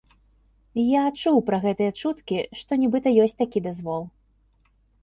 Я чуў пра гэтыя чуткі, што нібыта ёсць такі дазвол.